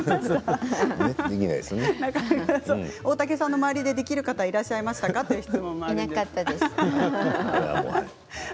大竹さんの周りでできる方はいらっしゃいましたか？という質問です。